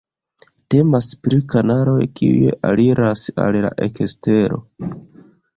Temas pri kanaloj kiuj aliras al la ekstero.